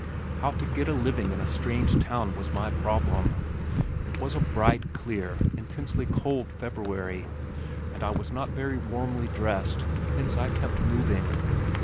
How to get a living in a strange town was my problem. It was a bright, clear, intensely cold February, and I was not very warmly dressed hence I kept moving.